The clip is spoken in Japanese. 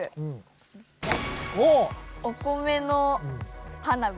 お米の花火。